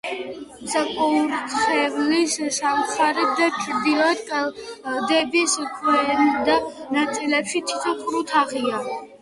საკურთხევლის სამხრეთ და ჩრდილოეთ კედლების ქვედა ნაწილებში თითო ყრუ თაღია.